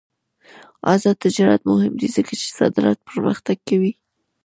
آزاد تجارت مهم دی ځکه چې صادرات پرمختګ کوي.